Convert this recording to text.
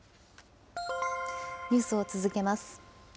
ニュースを続けます。